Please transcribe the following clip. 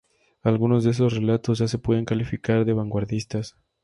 Algunos de esos relatos ya se pueden calificar de vanguardistas.